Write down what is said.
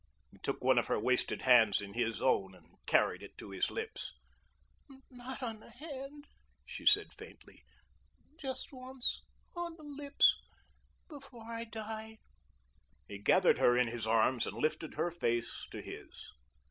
He took one of her wasted hands in his own and carried it to his lips. "Not on the hand," she said faintly. "Just once, on the lips, before I die." He gathered her in his arms and lifted her face to his.